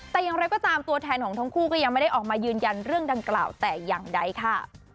แต่อย่างไรก็ตามตัวแทนของทั้งคู่ก็ยังไม่ได้ออกมายืนยันเรื่องดังกล่าวแต่อย่างใดค่ะ